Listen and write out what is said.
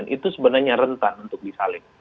itu sebenarnya rentan untuk disalik